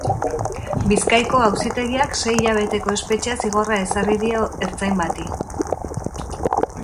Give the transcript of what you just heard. Bizkaiko Auzitegiak sei hilabeteko espetxe zigorra ezarri dio ertzain bati.